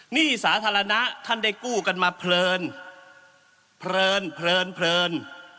หนี้สาธารณะท่านได้กู้กันมาเพลินเพลินเพลินเพลิน